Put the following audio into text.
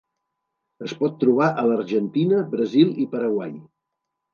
Es pot trobar a l'Argentina, Brasil, i Paraguai.